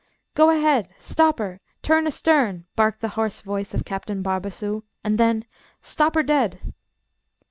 "Go ahead! Stop her! Turn astern!" barked the hoarse voice of Captain Barbassou; and then, "Stop her dead!"